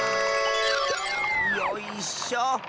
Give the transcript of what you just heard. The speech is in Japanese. よいしょ。